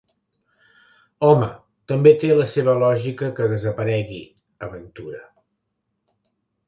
Home, també té la seva lògica que desaparegui —aventura—.